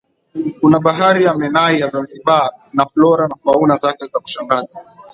Kuna Bahari ya Menai ya Zanzibar na flora na fauna zake za kushangaza